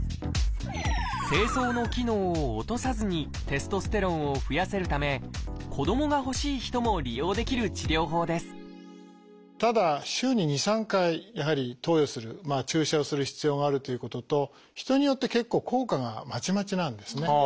精巣の機能を落とさずにテストステロンを増やせるため子どもが欲しい人も利用できる治療法ですただ週に２３回やはり投与する注射をする必要があるということと人によって結構効果がまちまちなんですね。